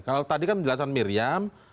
kalau tadi kan penjelasan miriam